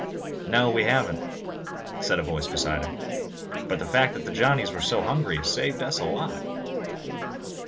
"No, we haven't," said a voice beside him, "but the fact that the Johnnies were so hungry has saved us a lot."